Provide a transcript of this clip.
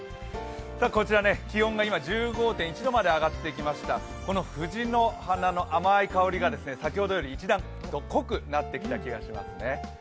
こちら、気温が今、１５．１度まで上がってきました藤の花の甘い香りが先ほどより一段と濃くなってきた気がしますね。